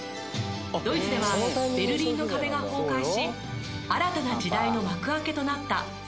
ドイツではベルリンの壁が崩壊し新たな時代の幕開けとなった１９８９年。